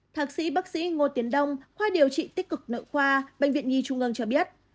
thạc sĩ bác sĩ ngô tiến đông khoa điều trị tích cực nợ khoa bệnh viện nhi trung ương cho biết